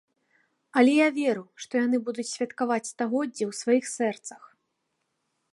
Але я веру, што яны будуць святкаваць стагоддзе ў сваіх сэрцах.